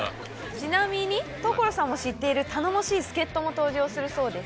ちなみに所さんも知っている頼もしい助っ人も登場するそうです。